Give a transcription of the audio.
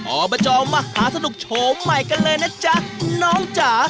อบจมหาสนุกโฉมใหม่กันเลยนะจ๊ะน้องจ๋า